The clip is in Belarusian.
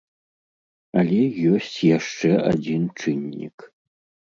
Але ёсць яшчэ адзін чыннік.